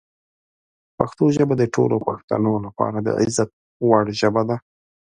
پښتو ژبه د ټولو پښتنو لپاره د عزت وړ ژبه ده.